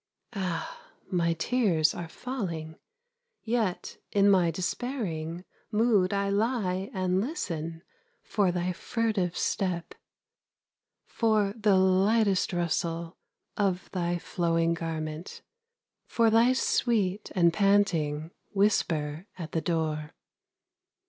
Ah, my tears are falling, Yet in my despairing Mood I lie and listen For thy furtive step; For the lightest rustle Of thy flowing garment, For thy sweet and panting Whisper at the door.